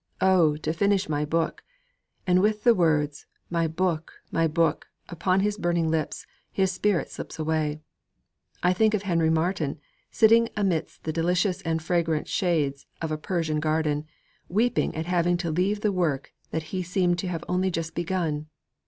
'Oh, to finish my book!' And with the words 'My book! my book!' upon his burning lips, his spirit slips away. I think of Henry Martyn sitting amidst the delicious and fragrant shades of a Persian garden, weeping at having to leave the work that he seemed to have only just begun.